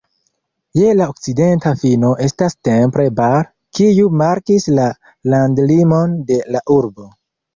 Je la okcidenta fino estas Temple Bar, kiu markis la landlimon de la urbo.